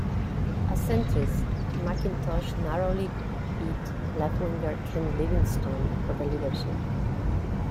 A centrist, McIntosh narrowly beat left-winger Ken Livingstone for the leadership.